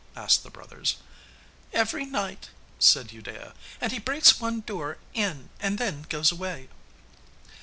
asked the brothers. 'Every night,' said Udea, 'and he breaks one door in and then goes away.